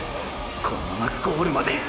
このままゴールまで。